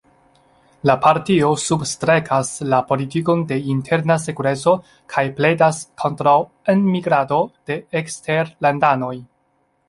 La partio substrekas la politikon de interna sekureco kaj pledas kontraŭ enmigrado de eksterlandanoj.